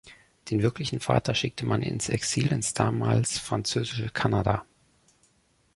Den wirklichen Vater schickte man ins Exil ins damals französische Kanada.